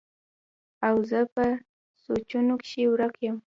او زۀ پۀ سوچونو کښې ورک يم